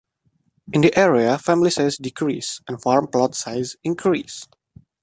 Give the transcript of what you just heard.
In the area family sizes decreased and farm plot sizes increased.